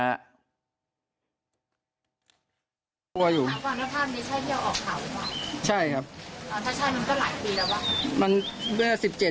ทางฝั่งนักภาพมีช่ายเที่ยวออกเข่าหรือเปล่าใช่ครับอ่าถ้าใช่มันก็หลายปีแล้วบ้าง